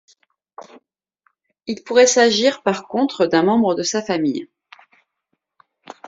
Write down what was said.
Il pourrait s'agir par contre d'un membre de sa famille.